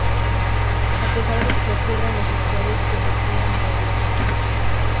A pesar de que ocurre en los estuarios, que se cría en agua dulce.